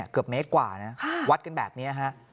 เกือบเมตรกว่านะวัดกันแบบนี้ฮะ